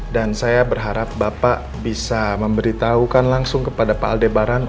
dan saya berharap bapak bisa memberitahukan langsung kepada pak aldebaran